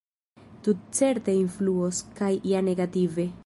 Tutcerte influos, kaj ja negative.